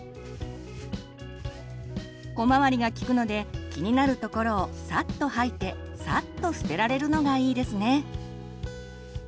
小回りが利くので気になる所をさっと掃いてさっと捨てられるのがいいですね。